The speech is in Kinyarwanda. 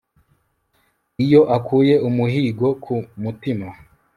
Iyo akuye umuhigo ku mutima